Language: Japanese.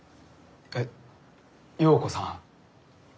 えっ耀子さん？